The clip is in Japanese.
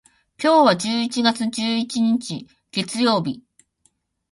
今日は十一月十一日、月曜日。